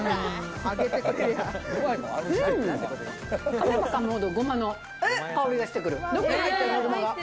噛めば噛むほどゴマの香りがしてくる。